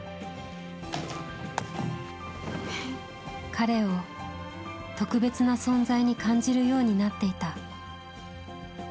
彼を特別な存在に感じるようになっていた。